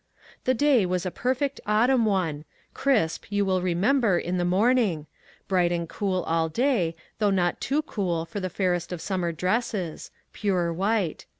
The day was a perfect autumn one — crisp, you will remember, in the morning ; bright and cool all day, though not too cool for the fairest of summer dresses — pure white.